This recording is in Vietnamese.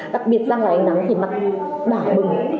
đặc biệt ra ngoài ánh nắng thì mặt đỏ bừng